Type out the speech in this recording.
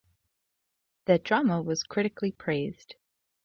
The drama was critically praised.